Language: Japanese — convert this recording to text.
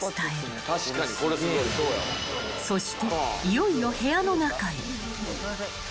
［そしていよいよ部屋の中へ］